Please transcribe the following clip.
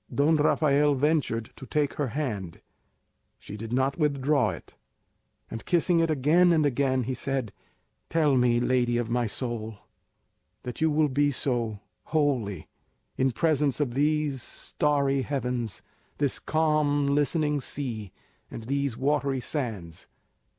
Don Rafael ventured to take her hand; she did not withdraw it; and kissing it again and again, he said, "Tell me, lady of my soul, that you will be so wholly, in presence of these starry heavens, this calm listening sea, and these watery sands.